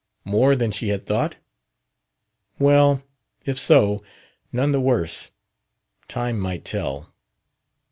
More than she had thought? Well, if so, none the worse. Time might tell.